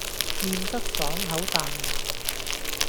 麵質爽口彈牙